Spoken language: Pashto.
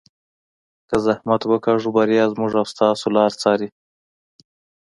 که زحمت وکاږو بریا زموږ او ستاسو لار څاري.